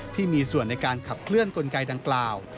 ที่มีส่วนในการขับเคลื่อนกลไกดังกล่าว